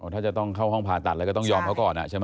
ถ้าจะต้องเข้าห้องผ่าตัดอะไรก็ต้องยอมเขาก่อนใช่ไหม